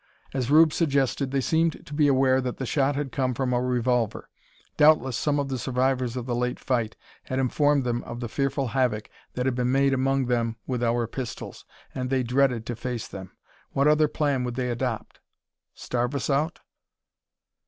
As Rube suggested, they seemed to be aware that the shot had come from a revolver. Doubtless some of the survivors of the late fight had informed them of the fearful havoc that had been made among them with our pistols, and they dreaded to face them. What other plan would they adopt? Starve us out?